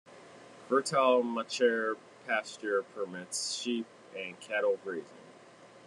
Fertile machair pasture permits sheep and cattle grazing.